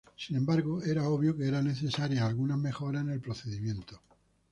Sin embargo, era obvio que eran necesarias algunas mejoras en el procedimiento.